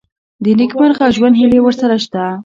د نېکمرغه ژوند هیلې ورسره شته.